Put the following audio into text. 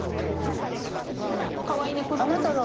かわいいね子どもみたい。